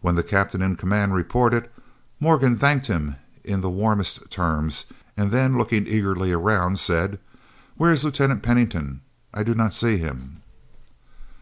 When the captain in command reported, Morgan thanked him in the warmest terms, and then looking eagerly around, said: "Where is Lieutenant Pennington? I do not see him."